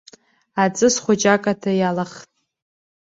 Аҵыс хәыҷы акаҭа иалахт.